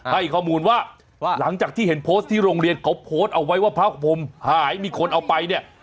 ให้ข้อมูลว่าหลังจากที่เห็นโพสต์ที่โรงเรียนเขาโพสต์เอาไว้ว่าพระของผมหายมีคนเอาไปเนี่ย